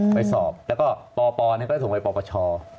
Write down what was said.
ไปสอบแล้วก็ปปก็ส่งไปปปช